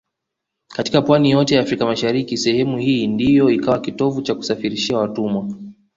Katika pwani yote ya Afrika mashariki sehemu hii ndio ikawa kitovu cha kusafirishia watumwa